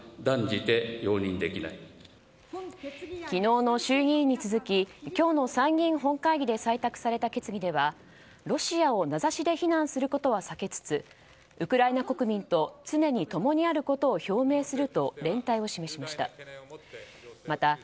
昨日の衆議院に続き今日の参議院本会議で採択された決議ではロシアを名指しで非難することは避けつつウクライナ国民と常に共にあることを表明すると連帯を示しました。